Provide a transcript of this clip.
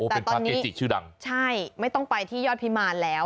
เป็นเกจิชื่อดังใช่ไม่ต้องไปที่ยอดพิมารแล้ว